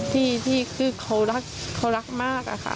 ที่เขารักเขารักมากอะค่ะ